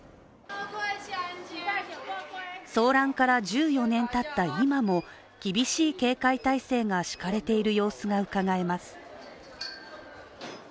騒乱から１４年たった今も、厳しい警戒態勢が敷かれている様子がうかがえます。